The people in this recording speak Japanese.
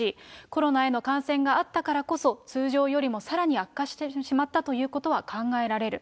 コロナへの感染があったからこそ、通常よりもさらに悪化してしまったということは考えられる。